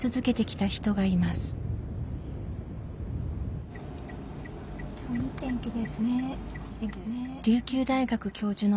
今日はいい天気ですね。